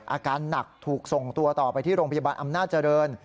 อาการหนักถูกส่งตัวต่อไปที่โรงพยาบาลอำนาจเจริญ